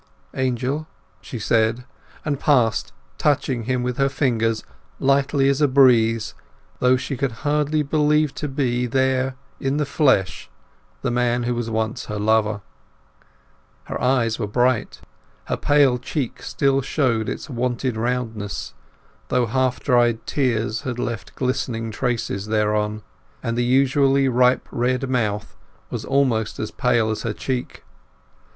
"Angel!" she said, and paused, touching him with her fingers lightly as a breeze, as though she could hardly believe to be there in the flesh the man who was once her lover. Her eyes were bright, her pale cheek still showed its wonted roundness, though half dried tears had left glistening traces thereon; and the usually ripe red mouth was almost as pale as her cheek.